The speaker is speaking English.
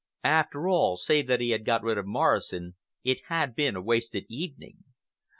After all, save that he had got rid of Morrison, it had been a wasted evening.